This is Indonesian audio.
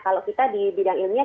kalau kita di bidang ilmiah